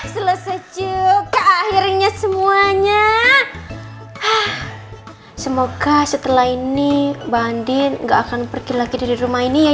selesai cukup akhirnya semuanya semoga setelah ini banding nggak akan pergi lagi di rumah ini